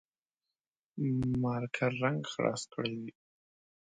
مارکر رنګ خلاص کړي دي